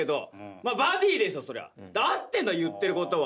合ってんの言ってることは。